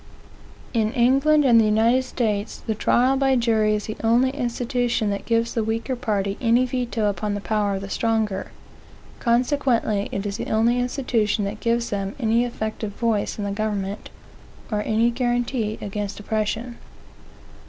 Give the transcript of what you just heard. In England and the United States, the trial by jury is the only institution that gives the weaker party any veto upon the power of the stronger. Consequently it is the only institution, that gives them any effective voice in the government, or any guaranty against oppression.